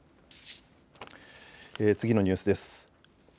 次のニュースです。